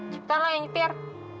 cepetan lah yang ngetir